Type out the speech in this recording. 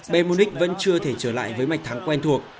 bayern munich vẫn chưa thể trở lại với mạch thắng quen thuộc